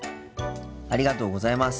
ありがとうございます。